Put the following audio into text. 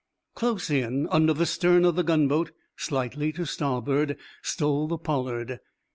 Close in under the stern of the gunboat, slightly to starboard, stole the "Pollard."